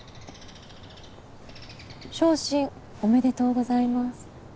昇進おめでとうございます。